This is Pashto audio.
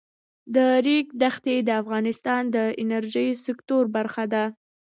د ریګ دښتې د افغانستان د انرژۍ سکتور برخه ده.